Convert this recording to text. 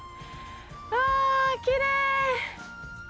わー、きれい！